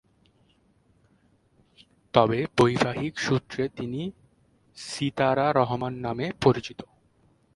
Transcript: তবে বৈবাহিক সূত্রে তিনি সিতারা রহমান নামে পরিচিত।